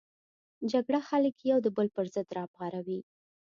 جګړه خلک یو د بل پر ضد راپاروي